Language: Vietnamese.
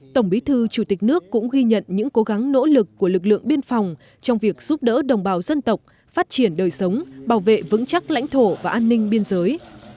tổng bí thư chủ tịch nước cũng ghi nhận những cố gắng nỗ lực của lực lượng biên phòng trong việc giúp đỡ đồng bào dân tộc phát triển đời sống bảo vệ vững chắc lãnh thổ và an ninh biên giới